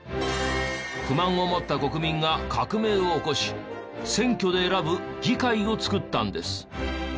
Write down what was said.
不満を持った国民が革命を起こし選挙で選ぶ議会を作ったんです。